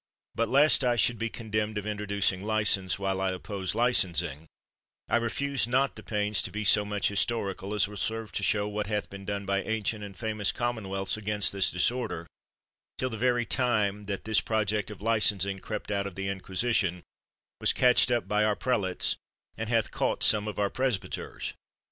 But lest I should be con demned of introducing license, while I oppose licensing, I refuse not the pains to be so much historical, as will serve to show what hath been done by ancient and famous commonwealths against this disorder, till the very time that this project of licensing crept out of the inquisition, was catched up by our prelates, and hath cought some of our presbyters.